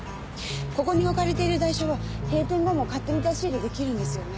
ここに置かれている台車は閉店後も勝手に出し入れできるんですよね？